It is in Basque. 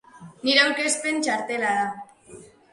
Nire aurkezpen txartela da.